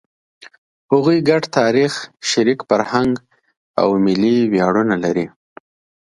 هغوی ګډ تاریخ، شریک فرهنګ او ملي ویاړونه لري.